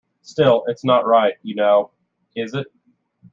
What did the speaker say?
Still, it's not right, you know; is it?